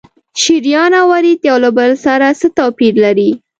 شریان او ورید یو له بل سره څه توپیر لري؟